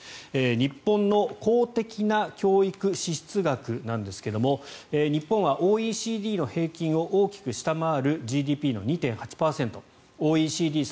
日本の公的な教育支出額なんですが日本はＯＥＣＤの平均を大きく下回るＧＤＰの２．８％ＯＥＣＤ３７か国中３６位。